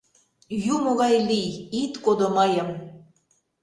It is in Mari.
Юмо гай лий — ит кодо мыйым!..